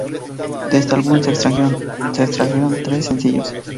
De este álbum se extrajeron tres sencillos.